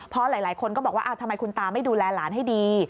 เพราะหลายคนก็บอกว่าทำไมคุณตาไม่ดูแลหลานให้ดี